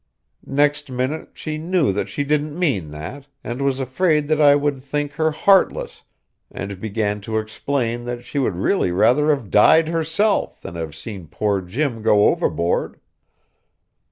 Next minute she knew that she didn't mean that, and was afraid that I would think her heartless, and began to explain that she would really rather have died herself than have seen poor Jim go overboard.